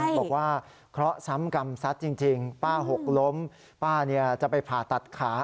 บอกว่าเคราะห์ซ้ำกรรมซัดจริงป้าหกล้มป้าจะไปผ่าตัดขา